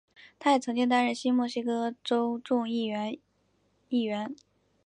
他也曾经担任新墨西哥州众议院议员。